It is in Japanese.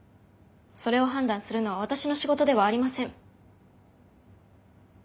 それを判断するのは私の仕事ではありません。